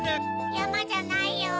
やまじゃないよ。